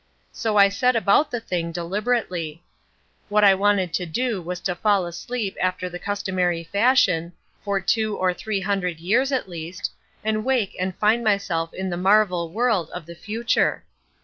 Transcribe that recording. So I set about the thing deliberately. What I wanted to do was to fall asleep after the customary fashion, for two or three hundred years at least, and wake and find myself in the marvel world of the future.